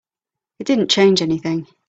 It didn't change anything.